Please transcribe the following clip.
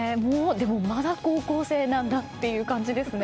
まだ高校生なんだという感じですね。